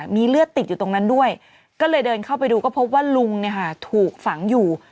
มีเลือดติดอยู่ตรงนั้นด้วยก็เลยเดินเข้าไปดูก็พบว่าลุงถูกฝังอยู่